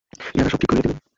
ইঁহারা সব ঠিক করিয়া দিবেন।